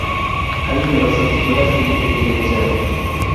Hay numerosas escuelas y un pequeño museo.